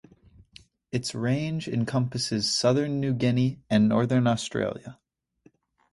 It’s range encompasses southern New Guinea and northern Australia.